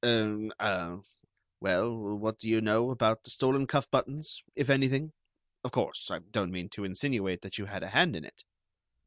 "Er, ah, well, what do you know about the stolen cuff buttons, if anything? Of course, I don't mean to insinuate that you had a hand in it."